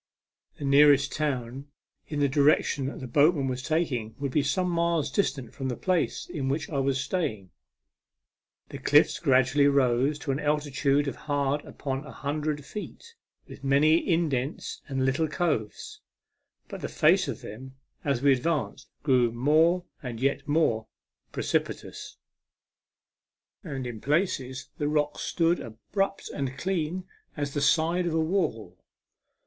The nearest town in the direction the boatman was taking would be some miles distant from the place in which I was staying. The cliffs gradually rose to an altitude of hard upon a hundred feet, with many indents and little coves ; but the face of them, as we advanced, grew more and yet more precipitous, A MEMORABLE SWIM. 8j and in places the rocks stood abrupt and clean as the side of a wall.